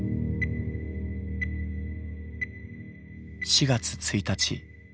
４月１日。